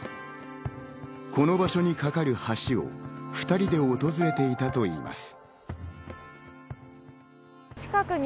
この場所にかかる橋を２人で訪れていたといいます。